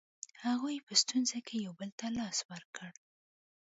هغوی په ستونزو کې یو بل ته لاس ورکړ.